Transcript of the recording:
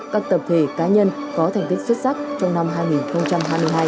các tập thể cá nhân có thành tích xuất sắc trong năm hai nghìn hai mươi hai